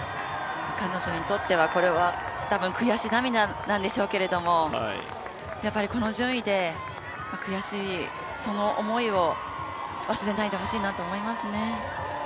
彼女にとってはこれは悔し涙なんでしょうけどやっぱりこの順位で、悔しいその思いを忘れないでほしいなと思いますね。